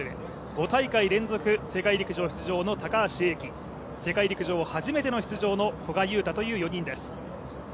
５大会連続世界陸上出場の高橋英輝、世界陸上初めての出場の古賀友太という４人です。